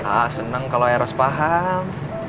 ah senang kalau eros paham